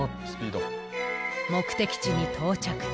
目的地に到着。